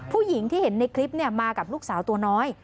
ผู้หญิงที่เห็นในคลิปมากับลูกสาวตัวน้อย